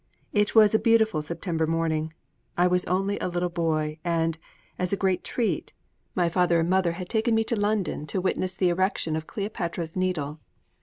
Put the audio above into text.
It was a beautiful September morning: I was only a little boy: and, as a great treat, my father and mother had taken me to London to witness the erection of Cleopatra's Needle.